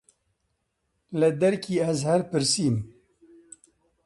لە دەرکی ئەزهەر پرسیم: